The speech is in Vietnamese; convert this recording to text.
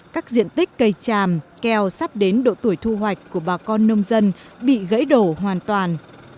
các diện tích cây tràm keo sắp đến độ tuổi thu hoạch của bà con nông dân bị gãy đổ hoàn toàn